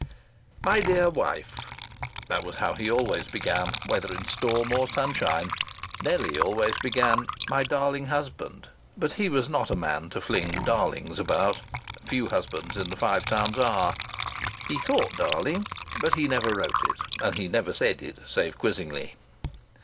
"My dear wife " That was how he always began, whether in storm or sunshine. Nellie always began, "My darling husband," but he was not a man to fling "darlings" about. Few husbands in the Five Towns are. He thought "darling," but he never wrote it, and he never said it, save quizzingly.